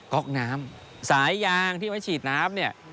ก๊อกน้ำสายยางที่ไว้ฉีดน้ำเนี่ย